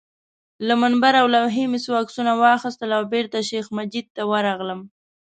له منبر او لوحې مې څو عکسونه واخیستل او بېرته شیخ مجید ته ورغلم.